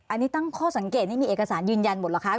อันนี้ตั้งข้อสังเกตนี่มีเอกสารยืนยันหมดเหรอคะ